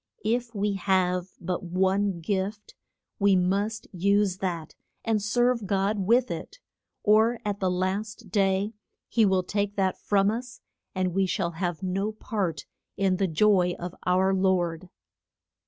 If we have but one gift we must use that and serve God with it, or at the last day he will take that from us, and we shall have no part in the joy of our lord.